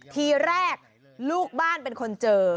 ทีแรกลูกบ้านเป็นคนเจอ